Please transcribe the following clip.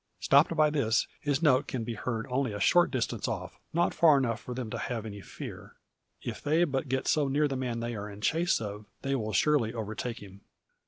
Stopped by this his note can be heard only a short distance off, not far enough for them to have any fear. If they but get so near the man they are in chase of, they will surely overtake him.